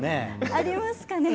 ありますかね。